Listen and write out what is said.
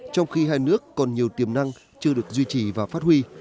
trong khi hai nước còn nhiều tiềm năng chưa được duy trì và phát huy